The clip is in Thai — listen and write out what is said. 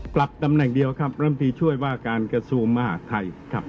ปรับตำแหน่งเดียวครับร่ำตีช่วยว่าการกระทรวงมหาดไทยครับ